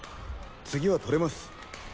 次は取れます。